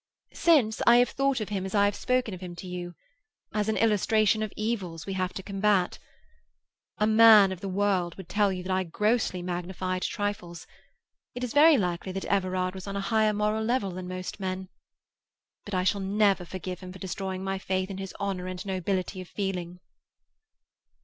Since, I have thought of him as I have spoken of him to you—as an illustration of evils we have to combat. A man of the world would tell you that I grossly magnified trifles; it is very likely that Everard was on a higher moral level than most men. But I shall never forgive him for destroying my faith in his honour and nobility of feeling."